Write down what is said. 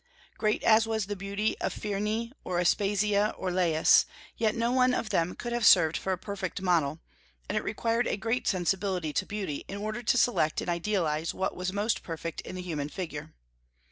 Great as was the beauty of Phryne or Aspasia or Lais, yet no one of them could have served for a perfect model; and it required a great sensibility to beauty in order to select and idealize what was most perfect in the human figure.